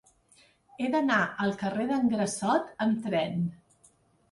He d'anar al carrer d'en Grassot amb tren.